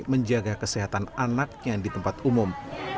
menjaga kesehatan anaknya di tempat umum